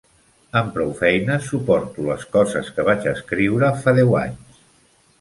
Amb prou feines suporto les coses que vaig escriure fa deu anys.